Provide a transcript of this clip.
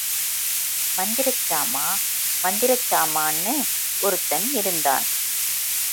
மந்திரச் சாமா மந்திரச் சாமான்னு ஒருத்தன் இருந்தான்.